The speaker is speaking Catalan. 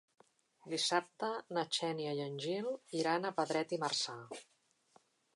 Dissabte na Xènia i en Gil iran a Pedret i Marzà.